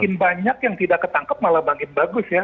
makin banyak yang tidak ketangkep malah makin bagus ya